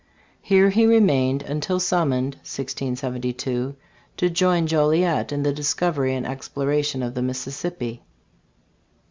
Here he remained until summoned (1672) to join Joliet in the discovery and exploration of the Mississippi.